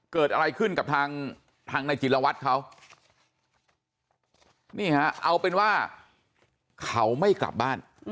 เกิดอะไรขึ้นกับทางนายจิลวัตรเขานี่ฮะเอาเป็นว่าเขาไม่กลับบ้าน